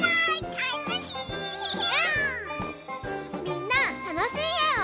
みんなたのしいえを。